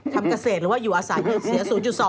ทำเกษตรหรือว่าอยู่อาศัยจนเสีย๐๒